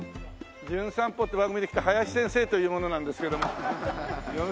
『じゅん散歩』って番組で来た林先生という者なんですけれどもよろしくね。